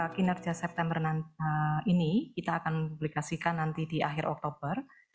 kinerja september ini kita akan publikasikan nanti di akhir oktober